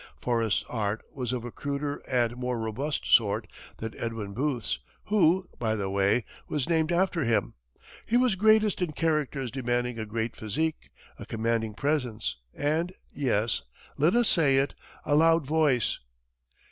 Forrest's art was of a cruder and more robust sort than Edwin Booth's who, by the way, was named after him. He was greatest in characters demanding a great physique, a commanding presence and yes, let us say it! a loud voice.